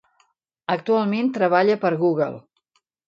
Actualment treballa per Google.